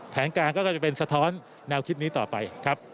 แผนการก็จะเป็นสะท้อนแนวคิดนี้ต่อไปครับ